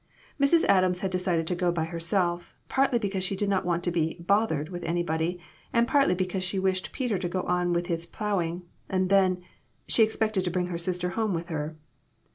Mrs. Adams had decided to go by herself, partly because she did not want to be "bothered " with anybody, and partly because she wished Peter to go on with his ploughing, and then she expected to bring her sister home with her.